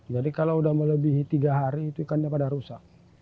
kalau sudah melebihi tiga hari itu ikannya pada rusak